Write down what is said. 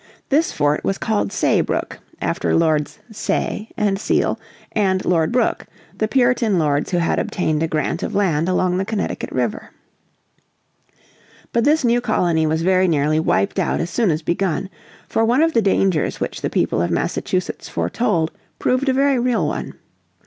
This fort was called SayeBrook after Lord Saye and Sele and Lord Brook, two Puritan lords who had obtained a grant of land along the Connecticut River. But this new colony was very nearly wiped out as soon as begun. For one of the dangers which the people of Massachusetts foretold proved a very real one.